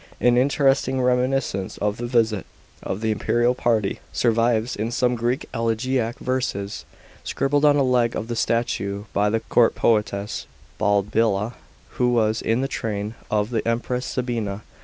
An interesting reminiscence of the visit of the imperial party survives in some Greek elegiac verses scribbled on a leg of the statue by the court poetess Balbilla, who was in the train of the Empress Sabina.